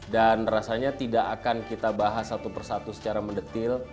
dan rasanya tidak akan kita bahas satu persatu secara mendetil